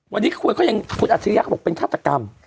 วันนี้คุณอัจฉริยะเขาบอกเป็นฆาตกรรม